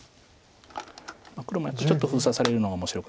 黒もやっぱりちょっと封鎖されるのは面白くないですので。